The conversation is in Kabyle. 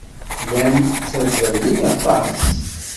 Llan ttazzalen aṭas.